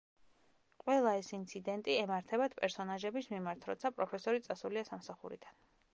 ყველა ეს ინციდენტი ემართებათ პერსონაჟების მიმართ, როცა პროფესორი წასულია სამსახურიდან.